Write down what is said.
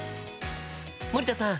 森田さん